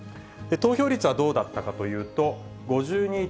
投票率はどうだったかというと、５２．０５％。